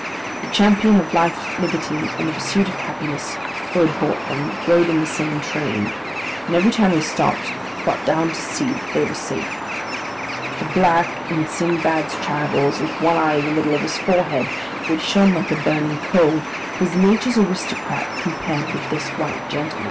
The champion of Life, Liberty, and the Pursuit of Happiness, who had bought them, rode in the same train; and, every time we stopped, got down to see that they were safe. The black in Sinbad's Travels with one eye in the middle of his forehead which shone like a burning coal, was nature's aristocrat compared with this white gentleman.